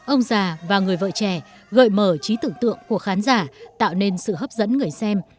ông già và người vợ trẻ gợi mở trí tưởng tượng của khán giả tạo nên sự hấp dẫn người xem